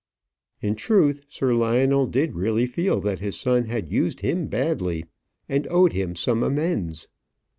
In truth, Sir Lionel did really feel that his son had used him badly, and owed him some amends.